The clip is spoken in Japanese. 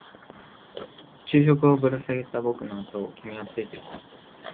昼食をぶら下げた僕のあとを君はついてきた。